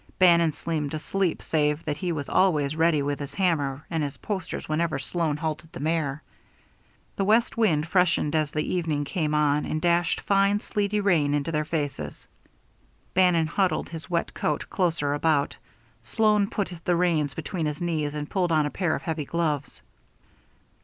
Bannon seemed asleep save that he was always ready with his hammer and his posters whenever Sloan halted the mare. The west wind freshened as the evening came on and dashed fine, sleety rain into their faces. Bannon huddled his wet coat closer about him. Sloan put the reins between his knees and pulled on a pair of heavy gloves.